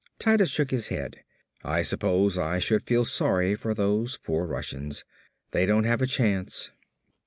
Titus shook his head. "I suppose I should feel sorry for those poor Russians. They don't have a chance."